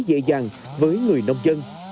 dễ dàng với người nông dân